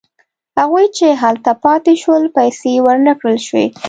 هغوی چې هلته پاتې شول پیسې ورنه کړل شوې.